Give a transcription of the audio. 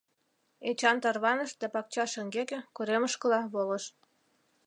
Эчан тарваныш да пакча шеҥгеке, коремышкыла, волыш.